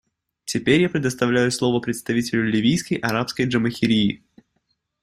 Теперь я предоставляю слово представителю Ливийской Арабской Джамахирии.